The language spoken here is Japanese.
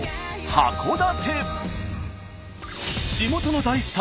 函館